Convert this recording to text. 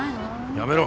やめろ。